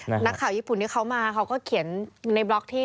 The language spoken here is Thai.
นักข่าวญี่ปุ่นที่เขามาเขาก็เขียนในบล็อกที่